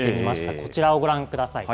こちらをご覧ください。